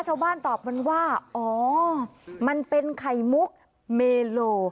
ตอบมันว่าอ๋อมันเป็นไข่มุกเมโล